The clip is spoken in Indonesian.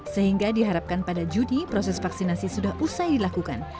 sehingga diharapkan pada juni proses vaksinasi sudah usai dilakukan